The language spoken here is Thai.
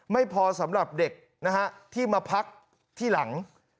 ไม่พอสำหรับเด็กนะฮะที่มาพักที่หลัง